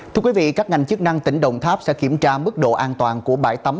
thưa quý vị các ngành chức năng tỉnh đồng tháp sẽ kiểm tra mức độ an toàn của bãi tắm